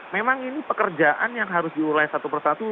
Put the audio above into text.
memang ini pekerjaan yang harus diurai satu persatu